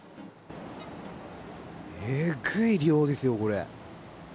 えぐい量ですよ、これ。